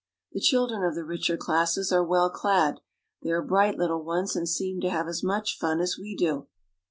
The children of the richer classes are well clad. They are bright little ones, and seem to have as much fim as we do.